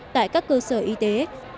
tại các cơ sở y tế